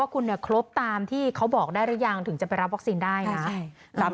คุณเนี่ยครบตามที่เขาบอกได้หรือยังถึงจะไปรับวัคซีนได้นะ